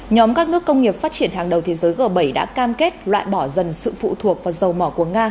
nhóm các nước công nghiệp phát triển hàng đầu thế giới g bảy đã cam kết loại bỏ dần sự phụ thuộc vào dầu mỏ của nga